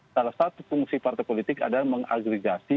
salah satu fungsi partai politik adalah mengagregasi